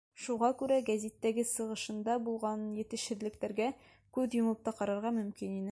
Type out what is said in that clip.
Шуға күрә гәзиттәге сығышында булған етешһеҙлектәргә күҙ йомоп та ҡарарға мөмкин ине.